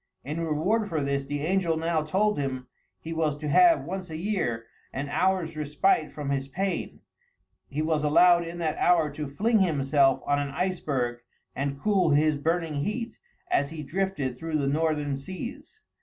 In reward for this, the angel now told him, he was to have, once a year, an hour's respite from his pain; he was allowed in that hour to fling himself on an iceberg and cool his burning heat as he drifted through the northern seas.